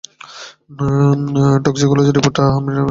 Toxicology রিপোর্টটা আমি সামলে নেবো।